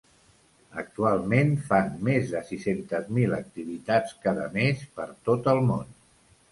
Actualment fan més de sis-cents mil activitats cada mes per tot el món.